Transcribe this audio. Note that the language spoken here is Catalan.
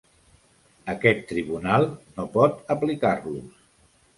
Aquest tribunal no pot aplicar-los.